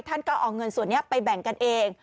ท่านก็เอาเงินส่วนนี้ไปแบ่งกันเอง